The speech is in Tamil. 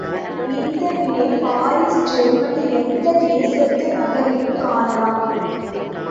இந்த நிலை பாரிஸ் ஜெர்மனி எந்தத் தேசத்து நகரிலும் காணலாம்.